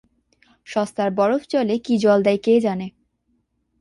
সস্তার বরফজলে কী জল দেয় কে জানে!